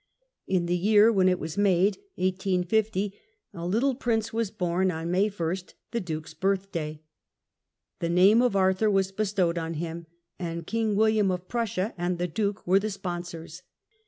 In the jear when it was made, 1850, a Uttle prince was horn on May 1st, the Dnke's birthday. The name of Arthur was bestowed on him, and King William of Prussia and the Duke were the sponsors.